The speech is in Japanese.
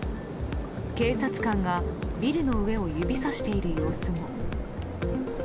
警察官がビルの上を指さしている様子も。